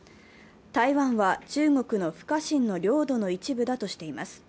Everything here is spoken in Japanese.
台湾は中国の不可侵の領土の一部だとしています。